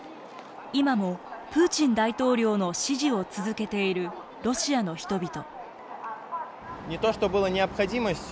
今も、プーチン大統領の支持を続けているロシアの人々。